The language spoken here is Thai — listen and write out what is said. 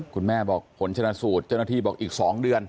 คุณแม่บอกผลชนะสูตรเจ้าหน้าที่บอกอีก๒เดือน